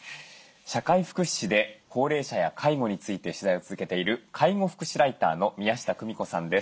社会福祉士で高齢者や介護について取材を続けている介護福祉ライターの宮下公美子さんです。